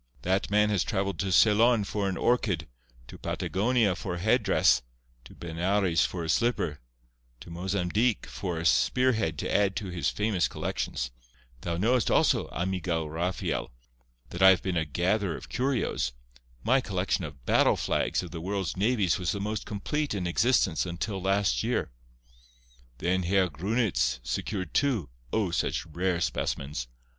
That man has travelled to Ceylon for an orchid—to Patagonia for a headdress—to Benares for a slipper—to Mozambique for a spearhead to add to his famous collections. Thou knowest, also, amigo Rafael, that I have been a gatherer of curios. My collection of battle flags of the world's navies was the most complete in existence until last year. Then Herr Grunitz secured two, O! such rare specimens.